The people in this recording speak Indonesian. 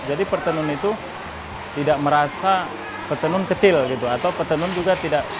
jadi pertenun itu tidak merasa pertenun kecil gitu atau pertenun juga tidak